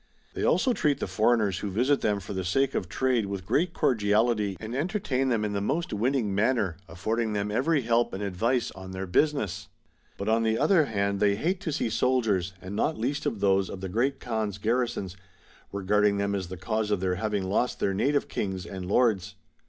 They also treat the foreigners who visit them for the sake of trade with great cordiality, and i62 MARCO POLO. Book II. entertain them in the most winning manner, affording them every help and atlvice on their business. But on the other hand they hate to see soldiers, and not least those of the Great Kaan's garrisons, regarding them as the cause of their having lost their native kings and lords.